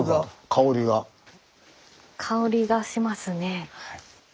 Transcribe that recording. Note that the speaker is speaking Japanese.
香りがしますね。